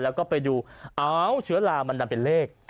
แล้วก็ไปดูเชื้อรามันดำเป็นเลข